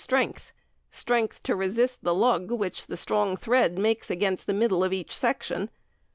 strength strength to resist the lug which the strong thread makes against the middle of each section.